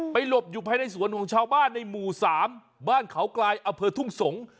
หลบอยู่ภายในสวนของชาวบ้านในหมู่๓บ้านเขากลายอเภอทุ่งสงศ์